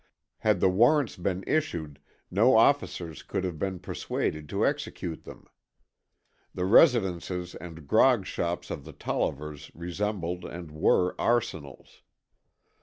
Had the warrants been issued, no officers could have been persuaded to execute them. The residences and grog shops of the Tollivers resembled and were arsenals.